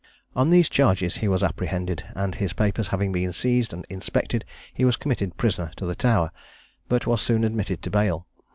On these charges he was apprehended; and his papers having been seized and inspected, he was committed prisoner to the Tower, but was soon admitted to bail.